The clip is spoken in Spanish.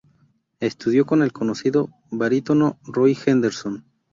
Estudió con el conocido barítono Roy Henderson.